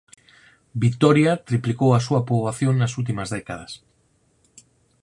Vitoria triplicou a súa poboación nas últimas décadas.